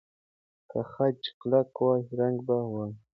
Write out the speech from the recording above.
که خج کلک وای، رنګ به وای.